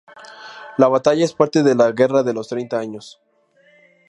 La batalla es parte de la Guerra de los Treinta Años.